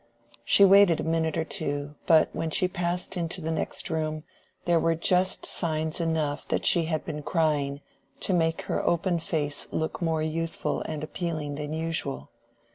She waited a minute or two, but when she passed into the next room there were just signs enough that she had been crying to make her open face look more youthful and appealing than usual.